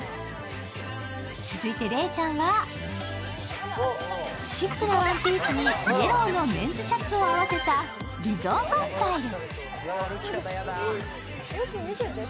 続いて礼ちゃんはシックなワンピースにイエローのメンズシャツを合わせたリゾートスタイル。